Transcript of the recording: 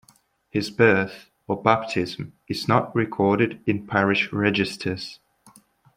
His birth or baptism is not recorded in parish registers.